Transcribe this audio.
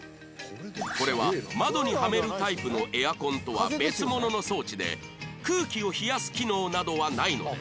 これは窓にはめるタイプのエアコンとは別物の装置で空気を冷やす機能などはないのです